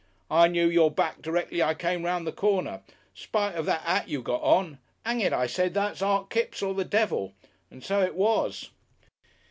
"I knew your back directly I came 'round the corner. Spite of that 'at you got on. Hang it, I said, that's Art Kipps or the devil. And so it was."